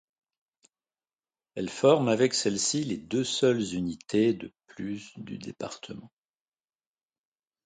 Elle forme avec celle-ci les deux seules unités urbaines de plus de du département.